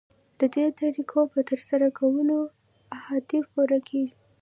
ددې طریقو په ترسره کولو اهداف پوره کیږي.